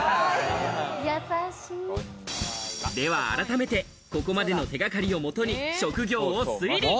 では改めて、ここまでの手掛かりをもとに職業を推理。